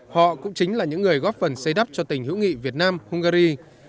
họ cũng chính là những người góp phần xây đắp cho tình hữu nghị việt nam hungary